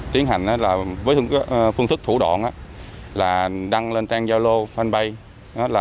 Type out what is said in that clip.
tiến hành với phương thức thủ đoạn là đăng lên trang giao lô fanpage